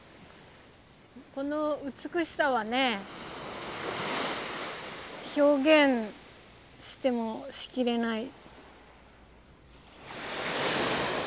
この美しさはね表現してもしきれない。